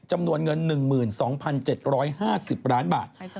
จำนวนเงิน๑๒๗๕๐ล้านบาท